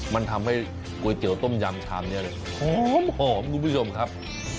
มันทำให้ก๋วยเตี๋ยวต้มยำชามนี้หอมคุณผู้ชมครับ